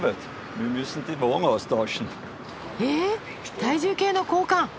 え体重計の交換。